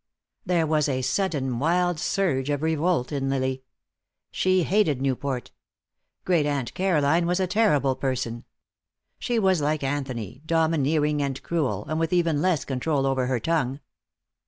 There was a sudden wild surge of revolt in Lily. She hated Newport. Grand aunt Caroline was a terrible person. She was like Anthony, domineering and cruel, and with even less control over her tongue.